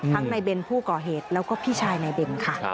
ในเบนผู้ก่อเหตุแล้วก็พี่ชายนายเบนค่ะ